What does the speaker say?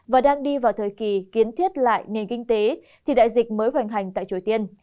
và đang đi vào thời kỳ kiến thiết lại nền kinh tế thì đại dịch mới hoành hành tại triều tiên